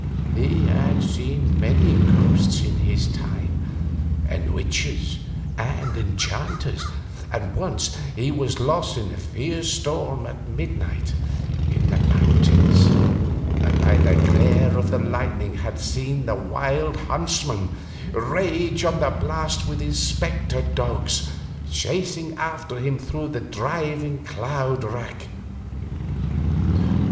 He had seen many ghosts in his time, and witches and enchanters, and once he was lost in a fierce storm at midnight in the mountains, and by the glare of the lightning had seen the Wild Huntsman rage on the blast with his specter dogs chasing after him through the driving cloud rack.